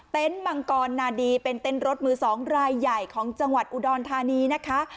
มังกรนาดีเป็นเต้นรถมือ๒รายใหญ่ของจังหวัดอุดรธานีนะคะ